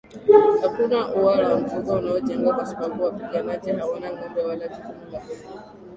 Hakuna uwa wa mifugo unaojengwa kwa sababu wapiganaji hawana ngombe wala jukumu la kufuga